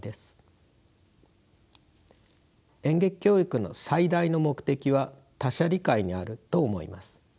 演劇教育の最大の目的は他者理解にあると思います。